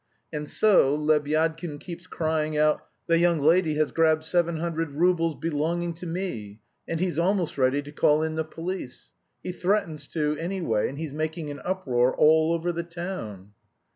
And so, Lebyadkin keeps crying out 'the young lady has grabbed seven hundred roubles belonging to me,' and he's almost ready to call in the police; he threatens to, anyway, and he's making an uproar all over the town."